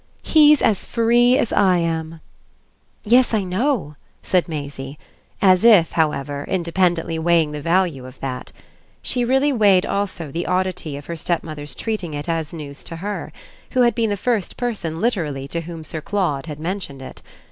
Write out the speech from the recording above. "He's as free as I am!" "Yes, I know," said Maisie; as if, however, independently weighing the value of that. She really weighed also the oddity of her stepmother's treating it as news to HER, who had been the first person literally to whom Sir Claude had mentioned it.